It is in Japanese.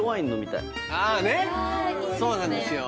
そうなんですよ